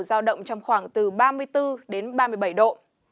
giao động trong khoảng từ ba mươi bốn đến ba mươi bảy độ